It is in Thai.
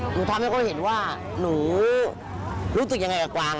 หนูทำให้เขาเห็นว่าหนูรู้สึกยังไงกับกวาง